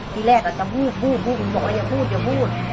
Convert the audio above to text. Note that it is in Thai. ที่แรกแหล่ะจะบุบบุบบบุบบอกก็อย่าพูดอย่าพูด